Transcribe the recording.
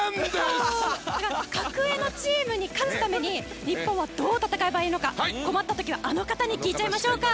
格上のチームに勝つために日本はどう戦えばいいのか困った時はあの方に聞いちゃいましょうか。